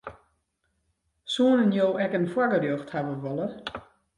Soenen jo ek in foargerjocht hawwe wolle?